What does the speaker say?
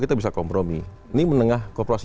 kita bisa kompromi ini menengah kooperasi